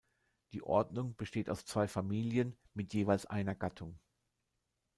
Die Ordnung besteht aus zwei Familien mit jeweils einer Gattung.